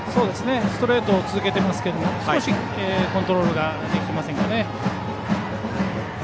ストレートを続けていますが少しコントロールができていませんかね。